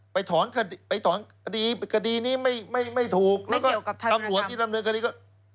ไปถอนคดีคดีนี้ไม่ถูกแล้วก็ตำรวจที่ดำเนินคดีก็